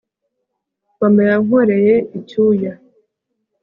mama yankoreye icyuya